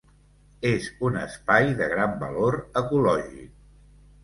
És un espai de gran valor ecològic.